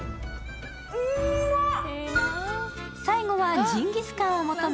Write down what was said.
うまっ最後はジンギスカンを求め